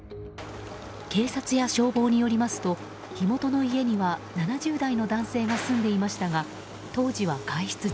警察や消防によりますと火元の家には７０代の男性が住んでいましたが、当時は外出中。